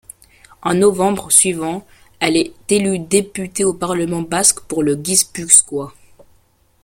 En novembre suivant, elle est élue députée au Parlement basque pour le Guipuscoa.